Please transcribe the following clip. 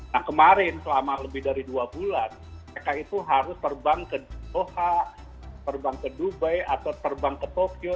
nah kemarin selama lebih dari dua bulan mereka itu harus terbang ke doha terbang ke dubai atau terbang ke tokyo